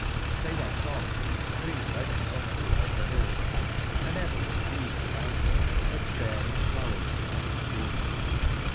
tibcy went on as the stream led tbem up toward tbe hills, and ever were tbe meads about tbem as fair and flowery as might be.